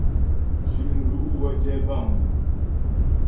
Zhi mlu' wə́ jɛ bâmlu'.